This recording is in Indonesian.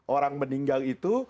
orang meninggal itu